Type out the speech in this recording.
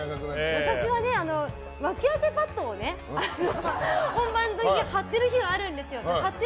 私はわき汗パッドを本番で貼ってる日があるんですよ。